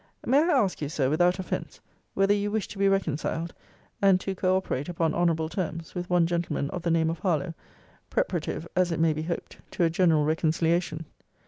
May I ask you, Sir, without offence, whether you wish to be reconciled, and to co operate upon honourable terms, with one gentleman of the name of Harlowe; preparative, as it may be hoped, to a general reconciliation?